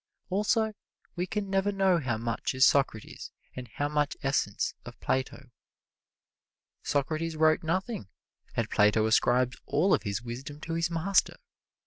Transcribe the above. Also, we can never know how much is Socrates and how much essence of Plato. Socrates wrote nothing, and Plato ascribes all of his wisdom to his master.